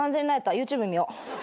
ＹｏｕＴｕｂｅ見よ。